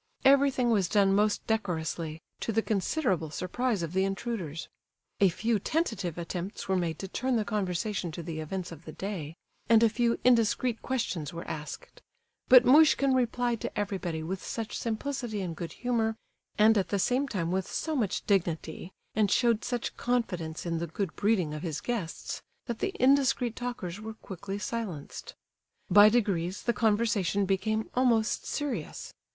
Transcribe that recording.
Everything was done most decorously, to the considerable surprise of the intruders. A few tentative attempts were made to turn the conversation to the events of the day, and a few indiscreet questions were asked; but Muishkin replied to everybody with such simplicity and good humour, and at the same time with so much dignity, and showed such confidence in the good breeding of his guests, that the indiscreet talkers were quickly silenced. By degrees the conversation became almost serious.